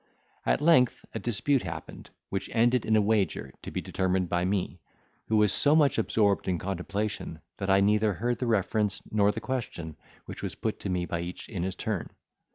At length a dispute happened, which ended in a wager, to be determined by me, who was so much absorbed in contemplation, that I neither heard the reference nor the question which was put to me by each in his turn.